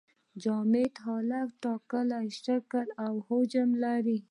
جامد حالت ټاکلی شکل او حجم لري.